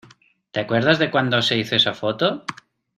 ¿ te acuerdas de cuando se hizo esa foto?